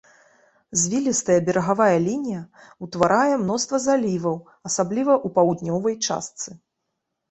Звілістая берагавая лінія ўтварае мноства заліваў, асабліва ў паўднёвай частцы.